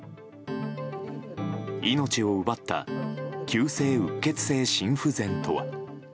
命を奪った急性うっ血性心不全とは。